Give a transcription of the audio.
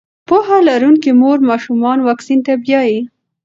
پوهه لرونکې مور ماشوم واکسین ته بیايي.